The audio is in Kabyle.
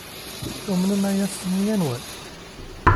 Tumnem aya s nneyya-nwen?